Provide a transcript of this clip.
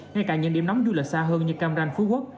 ngay cả những điểm nóng du lịch xa hơn như cam ranh phú quốc